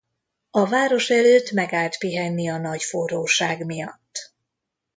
A város előtt megállt pihenni a nagy forróság miatt.